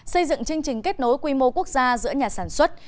xây dựng chương trình kết nối quy mô quốc gia giữa nhà sản xuất